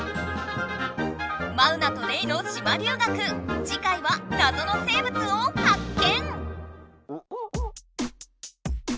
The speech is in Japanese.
マウナとレイの島留学次回はなぞの生ぶつをはっ見！